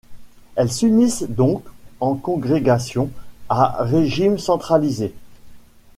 Elles s'unissent donc en congrégation à régime centralisé.